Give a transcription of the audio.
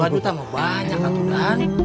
dua juta mau banyak kan tuhan